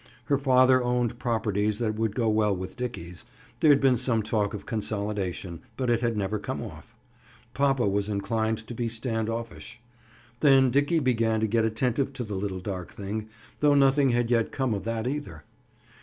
Her father owned properties that would go well with Dickie's—there'd been some talk of consolidation, but it had never come off. Papa was inclined to be stand offish. Then Dickie began to get attentive to the little dark thing, though nothing had yet come of that either.